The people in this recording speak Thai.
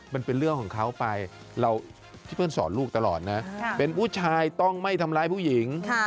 มันเป็นเรื่องของเขาไปเราพี่เปิ้ลสอนลูกตลอดนะเป็นผู้ชายต้องไม่ทำร้ายผู้หญิง